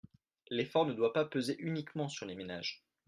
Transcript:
L’effort ne doit pas peser uniquement sur les ménages.